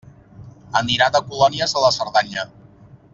Anirà de colònies a la Cerdanya.